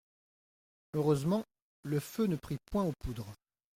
Heureusement le feu ne prit point aux poudres.